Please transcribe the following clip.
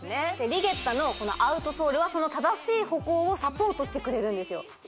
リゲッタのアウトソールはその正しい歩行をサポートしてくれるんですよ